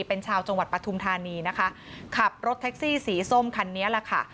เป็นชาวจังหวัดปฐุมธานีนะคะขับรถแท็กซี่สีส้มคันนี้แหละค่ะ